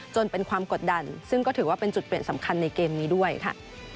จนเป็นความกดดันซึ่งก็ถือว่าเป็นจุดเปลี่ยนสำคัญในเกมนี้ด้วยค่ะ